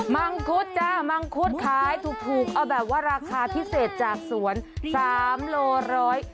มังคุดจ้ามังคุดขายถูกเอาแบบว่าราคาพิเศษจากสวน๓โลร้อย